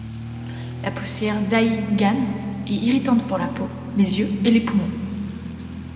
La poussière d'AlGaN est irritante pour la peau, les yeux et les poumons.